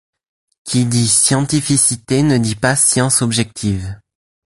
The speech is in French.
Qui dit scientificité ne dit pas science objective.